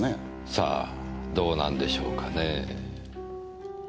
さあどうなんでしょうかねぇ。